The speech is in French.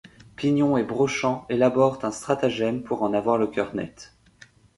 Pignon et Brochant élaborent un stratagème pour en avoir le cœur net.